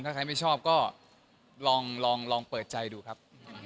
ถ้าใครไม่ชอบก็ลองเปิดใจดูครับ